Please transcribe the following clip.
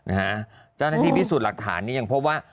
เจ้าหน้าที่พิสูจน์หลักฐานนี้ยังพบว่า